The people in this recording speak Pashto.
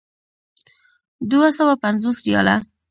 دوه سوه پنځوس ریاله.